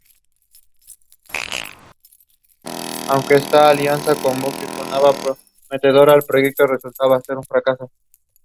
Las Anod Airport offers air transportation to local residents.